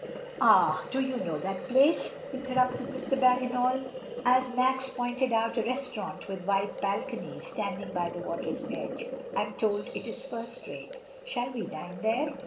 "Ah! do you know that place?" interrupted Mr. Bagginal, as Max pointed out a restaurant with wide balconies standing by the water's edge. "Fm told it is first rate; shall we dine there?"